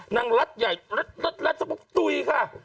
นางรัดใหญ่รัดรัดสมมุมตุ๋ยค่ะ